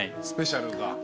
スペシャルが。